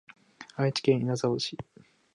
愛知県稲沢市